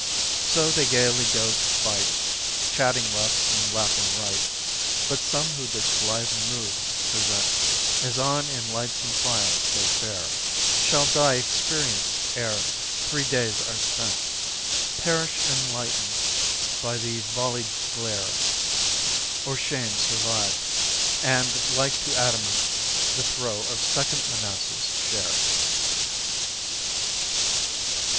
So they gayly go to fight, Chatting left and laughing right. But some who this blithe mood present, As on in lightsome files they fare, Shall die experienced ere three days are spent Perish, enlightened by the vollied glare; Or shame survive, and, like to adamant, The throe of Second Manassas share.